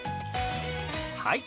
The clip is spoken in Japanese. はい。